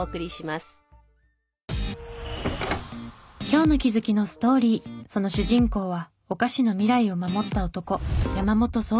今日の気づきのストーリーその主人公はお菓子の未来を守った男山本宗禅。